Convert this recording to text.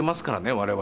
我々。